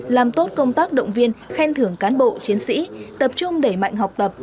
làm tốt công tác động viên khen thưởng cán bộ chiến sĩ tập trung đẩy mạnh học tập